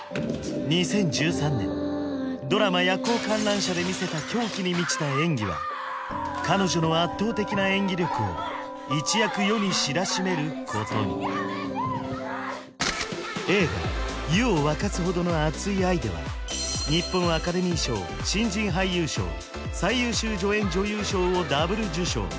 ２０１３年ドラマ「夜行観覧車」で見せた狂気に満ちた演技は彼女の圧倒的な演技力を一躍世に知らしめることに映画「湯を沸かすほどの熱い愛」では日本アカデミー賞新人俳優賞／最優秀助演女優賞をダブル受賞